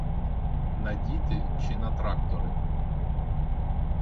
На діти, чи на трактори?